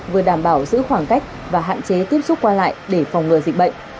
vừa đảm bảo giữ khoảng cách và hạn chế tiếp xúc qua lại để phòng ngừa dịch bệnh